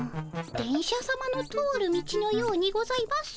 電車さまの通る道のようにございます。